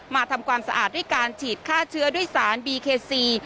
ทำความสะอาดด้วยการฉีดฆ่าเชื้อด้วยสารบีเคซี